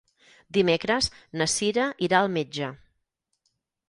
Dimecres na Cira irà al metge.